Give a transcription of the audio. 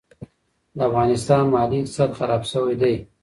د افغانستان مالي اقتصاد خراب شوی دي.